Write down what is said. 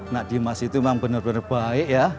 nah dimas itu memang benar benar baik ya